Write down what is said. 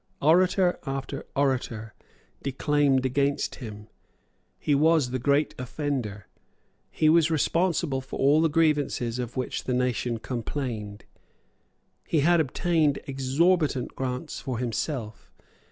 Orator after orator declaimed against him. He was the great offender. He was responsible for all the grievances of which the nation complained. He had obtained exorbitant grants for himself.